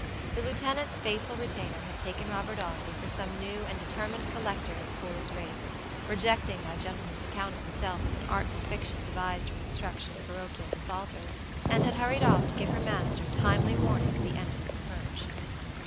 The lieutenant's faithful retainer had taken Robert Audley for some new and determined collector of poor's ratesrejecting that gentleman's account of himself as an artful fiction devised for the destruction of parochial defaultersand had hurried off to give her master timely warning of the enemy's approach.